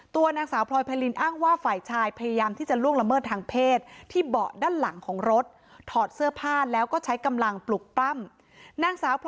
ตัวนางสาวพลอยไพรินอ้างว่าไฟชายพยายามที่จะล่วงละเมิดทางเพศ